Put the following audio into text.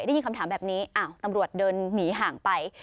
ได้ยินคำถามแบบนี้อ้าวตำรวจเดินหนีห่างไป